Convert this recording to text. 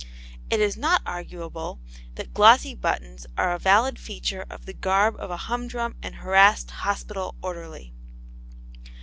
It is not arguable that glossy buttons are a valid feature of the garb of a humdrum and harassed hospital orderly.